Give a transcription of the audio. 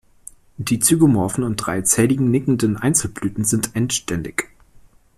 Die zygomorphen und dreizähligen, nickenden Einzelblüten sind endständig.